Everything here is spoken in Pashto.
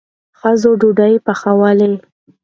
ښځو ډوډۍ پخوله.